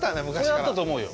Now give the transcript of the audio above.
これはあったと思うよ。